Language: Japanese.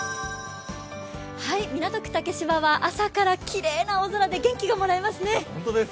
港区竹芝は朝からきれいな青空で元気がもらえますね。